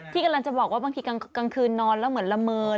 กำลังจะบอกว่าบางทีกลางคืนนอนแล้วเหมือนละเมิน